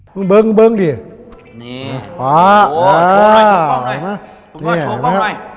มึงเบิ้งมึงเบิ้งดินี่ฮะโอ้โหโชว์กล้องด้วยโชว์กล้องด้วย